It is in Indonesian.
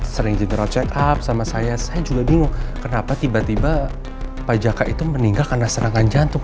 sering general check up sama saya saya juga bingung kenapa tiba tiba pajakak itu meninggal karena serangan jantung